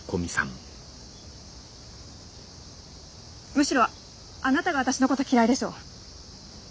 むしろあなたが私のこと嫌いでしょう？